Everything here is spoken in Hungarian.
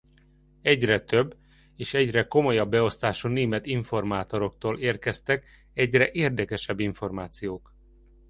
Egyre több és egyre komolyabb beosztású német informátoroktól érkeztek egyre érdekesebb információk.